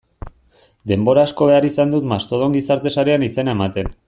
Denbora asko behar izan dut Mastodon gizarte sarean izena ematen.